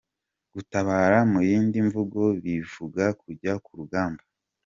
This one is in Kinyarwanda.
Gutabara mu yindi mvugo bivuga kujya ku rugamba.